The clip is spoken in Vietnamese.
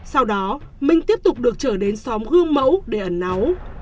sau đó minh tiếp tục được trở đến xóm gương mẫu để ẩn náu